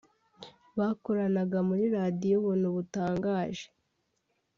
bakoranaga muri Radiyo Ubuntu butangaje